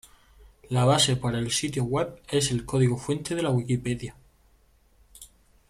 La base para el sitio web es el código fuente de la Wikipedia.